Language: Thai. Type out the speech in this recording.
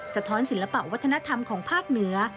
สะท้อนศิลปะวัฒนธรรมของภาคเหนือ